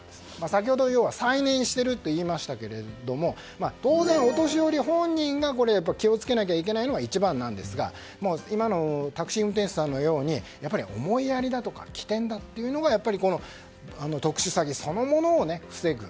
先ほど、再燃していると言いましたけれども当然、お年寄り本人が気をつけなきゃいけないのも一番なんですが今のタクシー運転手さんみたいに思いやりだとか機転というのがこの特殊詐欺そのものを防ぐ